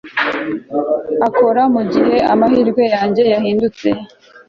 akora mugihe amahirwe yanjye yahindutse